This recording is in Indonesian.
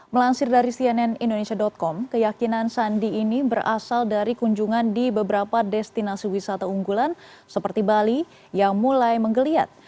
melansir dari cnn indonesia com keyakinan sandi ini berasal dari kunjungan di beberapa destinasi wisata unggulan seperti bali yang mulai menggeliat